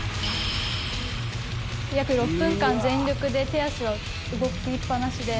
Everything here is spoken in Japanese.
「約６分間全力で手足を動きっぱなしで」